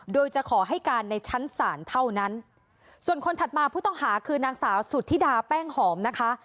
โดยจะขอให้การในชั้นศาลเท่านั้นส่วนคนถัดมาผู้ต้องหาคือนางสาวสุธิดาแป้งหอมนะคะ